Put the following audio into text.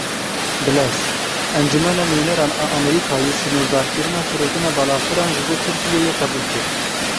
Bilez Encûmena Nûneran a Amerîkayê sînordarkirina firotina balafiran ji bo Tirkiyeyê qebûl kir.